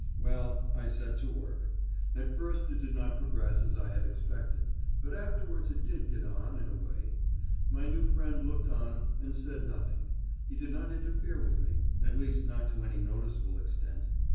Well, I set to work. At first it did not progress as I had expected; but afterwards it did get on in a way. My new friend looked on and said nothing; he did not interfere with me, at least not to any noticeable extent.